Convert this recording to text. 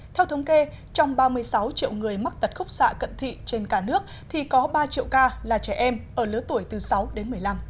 theo thống kê trong ba mươi sáu triệu người mắc tật khúc xạ cận thị trên cả nước thì có ba triệu ca là trẻ em ở lứa tuổi từ sáu đến một mươi năm